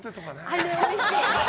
あれ、おいしい！